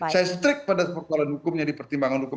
saya strict pada persoalan hukumnya di pertimbangan hukum